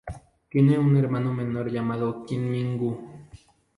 Tiene un hermano menor llamado Kim Min Gu.